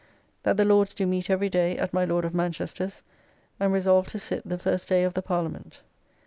That the Lords do meet every day at my Lord of Manchester's, and resolve to sit the first day of the Parliament.